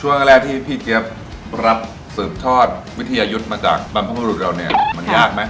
ช่วงแรกที่พี่เจี๊ยบรับสืบทอดวิทยายุทธ์มาจากบรรพบุรุษเราเนี่ยมันยากไหม